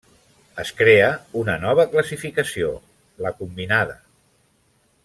Es crea una nova classificació: la combinada.